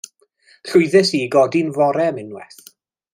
Lwyddes i i godi'n fore am unwaith.